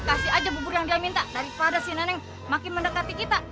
kasih aja bubur yang dia minta daripada si nenek makin mendekati kita